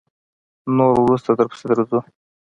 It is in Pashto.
نور وروسته درپسې درځو.